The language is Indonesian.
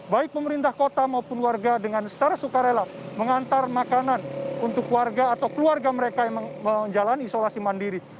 baik pemerintah kota maupun warga dengan secara sukarela mengantar makanan untuk warga atau keluarga mereka yang menjalani isolasi mandiri